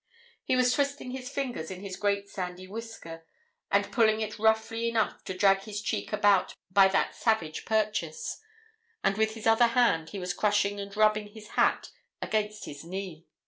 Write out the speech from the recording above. He was twisting his fingers in his great sandy whisker, and pulling it roughly enough to drag his cheek about by that savage purchase; and with his other hand he was crushing and rubbing his hat against his knee.